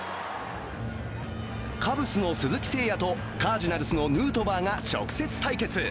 カブスの鈴木誠也とカージナルスのヌートバーが直接対決。